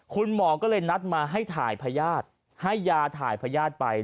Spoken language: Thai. คุณหมอก็เลยนัดมาให้ถ่ายพญาติให้ยาถ่ายพญาติไป